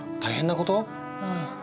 うん。